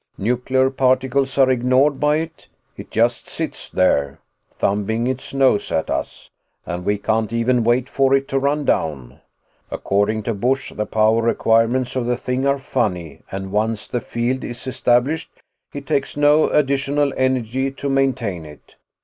Nuclear particles are ignored by it; it just sits there thumbing its nose at us. And we can't even wait for it to run down. According to Busch, the power requirements of the thing are funny and once the field is established, it takes no additional energy to maintain it.